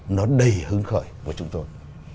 nó đầy hứng khởi của chúng tôi